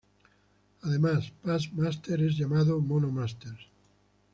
Además Past Masters es llamado Mono Masters.